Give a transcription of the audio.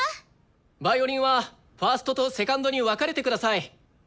ヴァイオリンはファーストとセカンドに分かれてください。